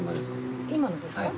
今のですか？